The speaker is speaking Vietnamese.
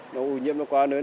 nó nguồn nhiễm nó quá lớn